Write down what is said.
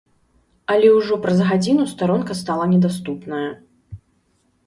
Але ўжо праз гадзіну старонка стала недаступная.